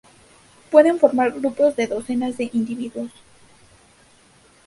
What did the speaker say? Pueden formar grupos de docenas de individuos.